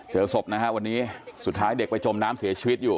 เจอศพนะฮะวันนี้สุดท้ายเด็กไปจมน้ำเสียชีวิตอยู่